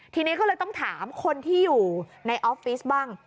ทีนี้ก็เลยต้องถามคนที่อยู่ในออฟฟิศบ้าง